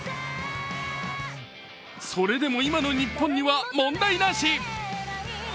それでも、今の日本には問題なし。